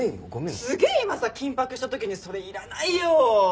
すげえ今さ緊迫した時にそれいらないよ！